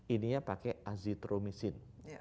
ininya pakai azitromisin